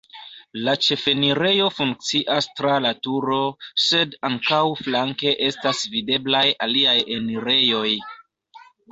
La ĉefenirejo funkcias tra la turo, sed ankaŭ flanke estas videblaj aliaj enirejoj.